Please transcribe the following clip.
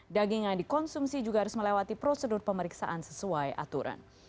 daging yang dikonsumsi juga harus melewati prosedur pemeriksaan sesuai aturan